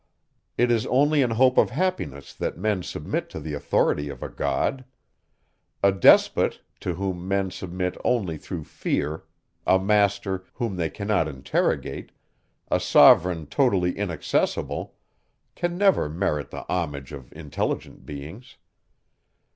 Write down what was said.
It is only in hope of happiness that men submit to the authority of a God. A despot, to whom men submit only through fear, a master, whom they cannot interrogate, a sovereign totally inaccessible, can never merit the homage of intelligent beings.